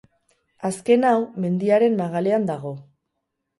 Azken hau, mendiaren magalean dago.